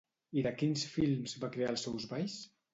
I de quins films va crear els seus balls?